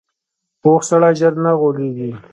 پوخ سړی ژر نه غولېږي